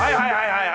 はい